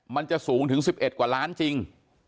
มันจะสูงถึง๑๑กว่าล้านจริง